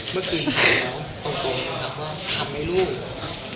เมื่อคืนตรงถามให้ลูก